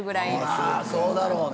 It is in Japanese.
あぁそうだろうね。